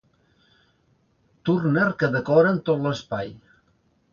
Turner que decoren tot l'espai.